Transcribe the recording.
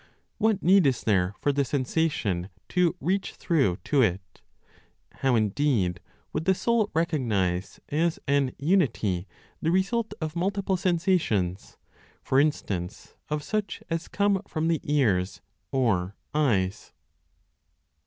What need is there for the sensation to reach through to it? How indeed would the soul recognize as an unity the result of multiple sensations; for instance, of such as come from the ears or eyes?